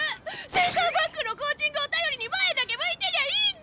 センターバックのコーチングを頼りに前だけ向いてりゃいいんだよ！